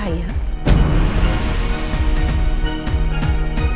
saya akan membela anak saya